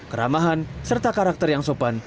keramahan serta karakter yang sopan